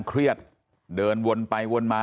เครียดเดินวนไปวนมา